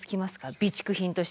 備蓄品として。